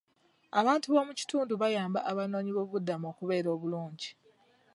Abantu b'omu kitundu bayamba abanoonyiboobubudamu okubeera obulungi.